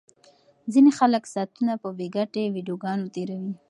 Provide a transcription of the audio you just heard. ځینې خلک ساعتونه په بې ګټې ویډیوګانو تیروي.